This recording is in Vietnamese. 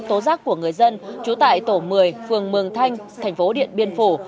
tố giác của người dân trú tại tổ một mươi phường mường thanh tp điện biên phủ